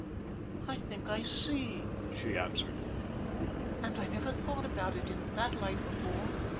"I think I see," she answered, "and I never thought about it in that light before."